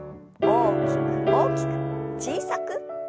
大きく大きく小さく。